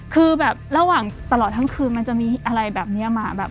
คือแบบระหว่างตลอดทั้งคืนมันจะมีอะไรแบบนี้มาแบบ